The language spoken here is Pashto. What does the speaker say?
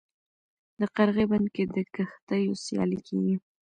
د قرغې بند کې د کښتیو سیالي کیږي.